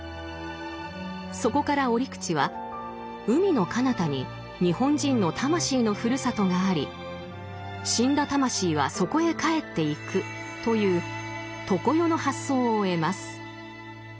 そこから折口は海のかなたに日本人の魂のふるさとがあり死んだ魂はそこへ帰っていくという「常世」の発想を得ます。